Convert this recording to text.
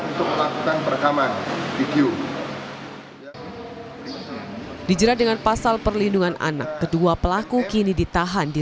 untuk melakukan perekaman video dijerat dengan pasal perlindungan anak kedua pelaku kini ditahan di